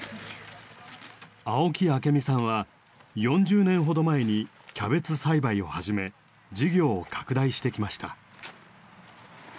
青木朱美さんは４０年ほど前にキャベツ栽培を始め事業を拡大してきました。